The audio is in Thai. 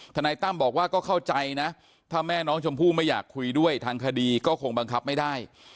นายตั้มบอกว่าก็เข้าใจนะถ้าแม่น้องชมพู่ไม่อยากคุยด้วยทางคดีก็คงบังคับไม่ได้